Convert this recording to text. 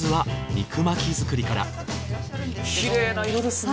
きれいな色ですね。